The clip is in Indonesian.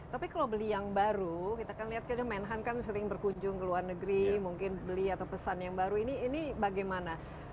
tapi kalau beli yang baru kita kan lihat menhan kan sering berkunjung ke luar negeri mungkin beli atau pesan yang baru ini bagaimana